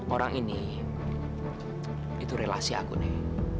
orang ini itu relasi aku nih